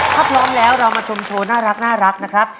ถ้าพร้อมแล้วเรามาชมโชว์น่ารักนะครับ